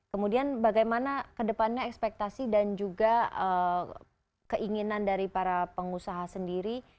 kemudian bagaimana kedepannya ekspektasi dan juga keinginan dari para pengusaha sendiri